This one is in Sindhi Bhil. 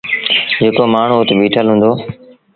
جيڪو مآڻهوٚٚ اُت بيٚٺل هُݩدآ